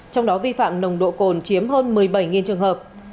trong đó vi phạm nồng độ cồn chiếm hơn một mươi bảy trường hợp